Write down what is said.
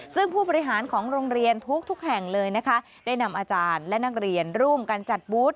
ซึ่งผู้บริหารของโรงเรียนทุกแห่งเลยนะคะได้นำอาจารย์และนักเรียนร่วมกันจัดบูธ